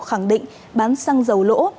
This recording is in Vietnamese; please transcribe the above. khẳng định bán xăng dầu lỗ